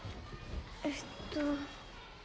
えっと。